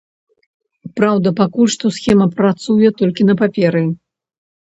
Праўда, пакуль што схема працуе толькі на паперы.